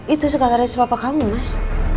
itu suka keren sepapa kamu mas